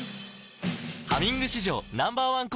「ハミング」史上Ｎｏ．１抗菌